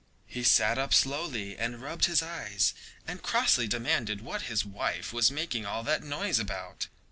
He sat up slowly and rubbed his eyes, and crossly demanded what his wife was making all that noise about.